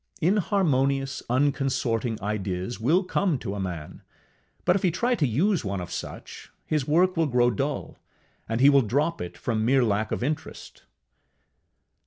Inharmonious, unconsorting ideas will come to a man, but if he try to use one of such, his work will grow dull, and he will drop it from mere lack of interest.